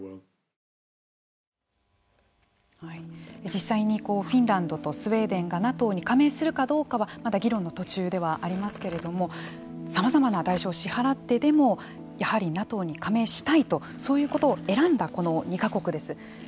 実際にフィンランドとスウェーデンがＮＡＴＯに加盟するかどうかはまだ議論の途中ではありますけれどもさまざまな代償を支払ってでもやはりＮＡＴＯに加盟したいとそういうことを選んだこの２か国です。